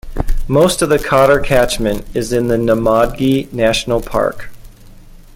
Most of the Cotter catchment is in the Namadgi National Park.